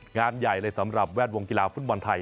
งานใหญ่เลยสำหรับแวดวงกีฬาฟุตบอลไทย